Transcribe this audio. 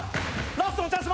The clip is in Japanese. ラストのチャンス